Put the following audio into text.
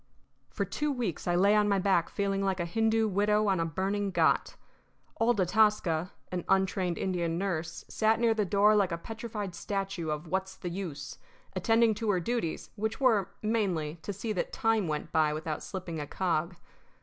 For two weeks I lay on my back feeling like a Hindoo widow on a burning ghat. Old Atasca, an untrained Indian nurse, sat near the door like a petrified statue of What's the Use, attending to her duties, which were, mainly, to see that time went by without slipping a cog.